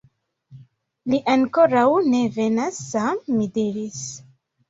Li ankoraŭ ne venas, Sam, mi diris.